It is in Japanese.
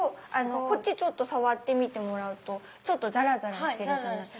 こっち触ってみてもらうとザラザラしてるじゃないですか。